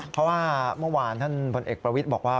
เพราะว่าเมื่อวานท่านพลเอกประวิทย์บอกว่า